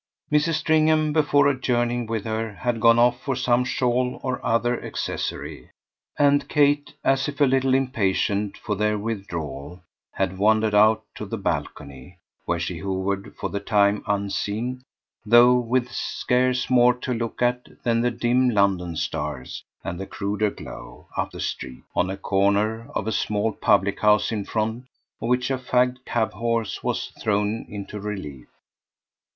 Mrs. Stringham, before adjourning with her, had gone off for some shawl or other accessory, and Kate, as if a little impatient for their withdrawal, had wandered out to the balcony, where she hovered for the time unseen, though with scarce more to look at than the dim London stars and the cruder glow, up the street, on a corner, of a small public house in front of which a fagged cab horse was thrown into relief.